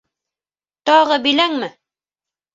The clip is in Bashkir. Тағы биләңме?